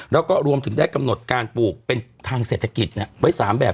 แล้วก็รวมถึงได้กำหนดการปลูกเป็นทางเศรษฐกิจไว้๓แบบ